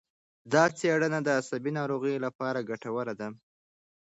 دا څېړنه د عصبي ناروغیو لپاره ګټوره ده.